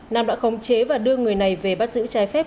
nam đã khống chế và đưa người này về bắt giữ trái phép